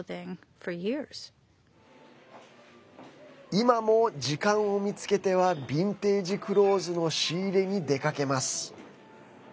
今も時間を見つけてはビンテージクローズの仕入れに出かけます。